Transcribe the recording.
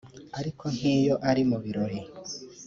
Ariko nk’iyo ari mu birori